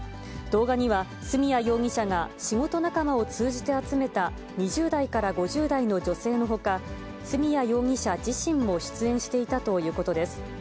動画には、角谷容疑者が仕事仲間を通じて集めた２０代から５０代の女性のほか、角谷容疑者自身も出演していたということです。